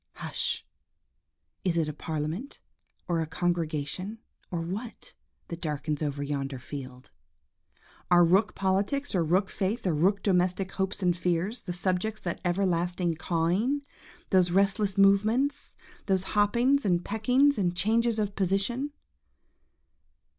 Hush! is it a parliament, or a congregation, or what, that darkens over yonder field? Are rook politics, or rook faith, or rook domestic hopes and fears, the subjects of that everlasting cawing, those restless movements, those hoppings and peckings, and changes of position?